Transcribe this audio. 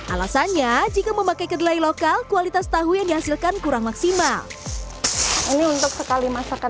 alasannya jika memakai kedelai lokal kualitas tahu yang dihasilkan kurang maksimal